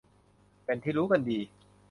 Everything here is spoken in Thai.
เป็นที่รู้กันดี